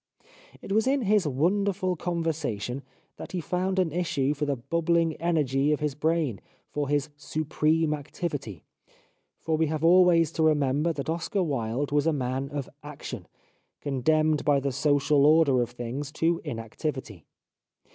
It was in his wonderful conversation that he found an issue for the bubbling energy of his brain, for his supreme activity. For we have always to remember that Oscar Wilde was a man of action, condemned by the social order of things to inactivity.